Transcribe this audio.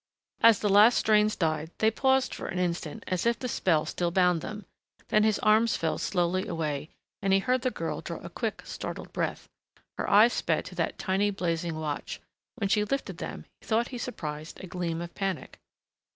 As the last strains died, they paused for an instant as if the spell still bound them, then his arms fell slowly away, and he heard the girl draw a quick, startled breath. Her eyes sped to that tiny, blazing watch; when she lifted them he thought he surprised a gleam of panic.